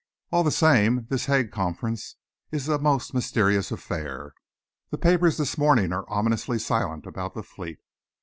"All the same, this Hague Conference is a most mysterious affair. The papers this morning are ominously silent about the fleet.